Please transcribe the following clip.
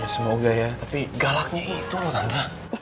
semoga ya tapi galaknya itu loh anda